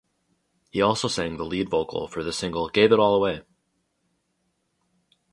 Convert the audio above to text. He also sang the lead vocal for the single "Gave It All Away".